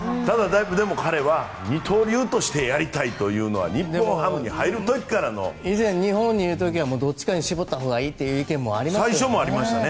でも彼は二刀流としてやりたいというのは日本にいた時はどっちかに絞ったほうがいいという意見がありましたね。